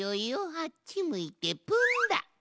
あっちむいてプンだ！